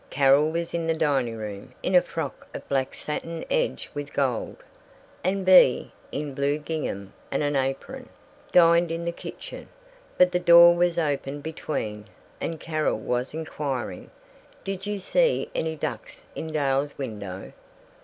Carol was in the dining room, in a frock of black satin edged with gold, and Bea, in blue gingham and an apron, dined in the kitchen; but the door was open between, and Carol was inquiring, "Did you see any ducks in Dahl's window?"